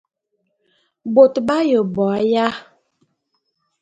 Bôt b'aye bo aya?